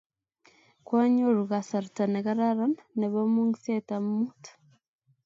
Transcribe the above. Kwanyoru kasarta nekararan nepo mung'set amut